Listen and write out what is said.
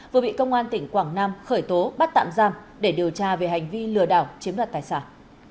vừa bị công an tỉnh quảng nam khởi tố bắt tạm giam để điều tra về hành vi lừa đảo chiếm đoạt tài sản